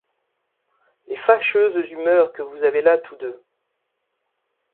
Les fâcheuses humeurs que vous avez là tous deux!